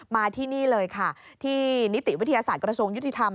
มาที่นี่เลยค่ะที่นิติวิทยาศาสตร์กระทรวงยุติธรรม